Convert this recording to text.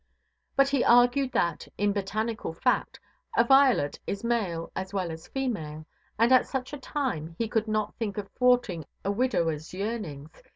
But he argued that, in botanical fact, a violet is male as well as female, and at such a time he could not think of thwarting a widowerʼs yearnings.